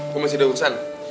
komen si daugusan